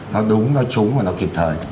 nó đúng nó trúng và nó kịp thời